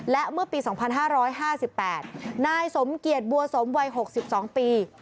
และเมื่อปี๒๕๕๘นายสมเกียจบัวสมวัย๖๒ปี